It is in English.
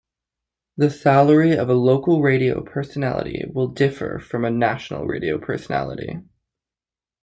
The salary of a local radio personality will differ from a national radio personality.